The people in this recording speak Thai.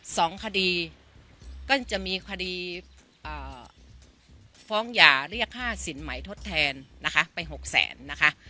สองคดีก็จะมีคดีอ่าฟ้องหย่าเรียกค่าสินใหม่ทดแทนนะคะไปหกแสนนะคะ